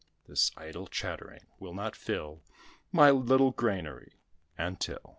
This idle chattering will not fill My little granary and till."